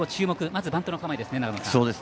まずバントの構えです。